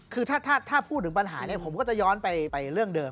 คือถ้าพูดถึงปัญหานี้ผมก็จะย้อนไปเรื่องเดิม